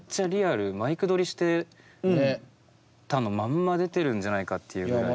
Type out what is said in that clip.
マイクどりしてたのまんま出てるんじゃないかっていうぐらい。